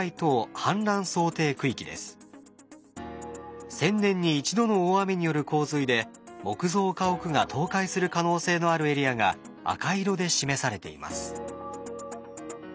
１，０００年に１度の大雨による洪水で木造家屋が倒壊する可能性のあるエリアが赤色で示されています。